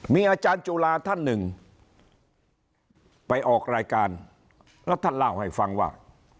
มีอาจารย์จุฬาท่านหนึ่งไปออกรายการแล้วท่านเล่าให้ฟังว่า